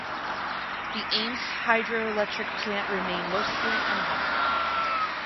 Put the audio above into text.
The Ames Hydroelectric plant remained mostly unharmed.